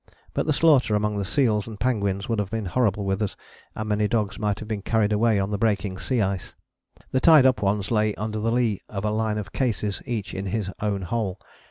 But the slaughter among the seals and penguins would have been horrible with us, and many dogs might have been carried away on the breaking sea ice. The tied up ones lay under the lee of a line of cases, each in his own hole.